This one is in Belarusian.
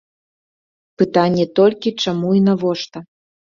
Пытанне толькі, чаму і навошта.